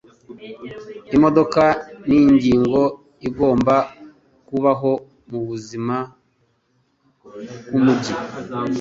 Imodoka ningingo igomba kubaho mubuzima bwumujyi.